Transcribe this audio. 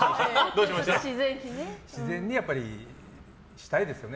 自然にしたいですよね。